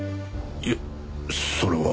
いやそれは。